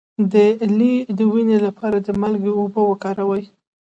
د لۍ د وینې لپاره د مالګې اوبه وکاروئ